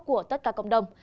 của tất cả cộng đồng